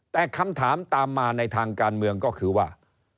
แต่คำถามตามมาในทางการเมืองก็คือว่า